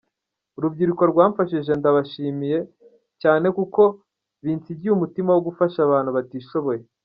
Urubyiruko rwamfashije ndabashimiye cyane kuko binsigiye umutima wo gufasha abantu batishoboye.